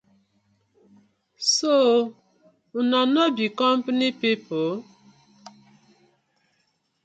So una no be compani people?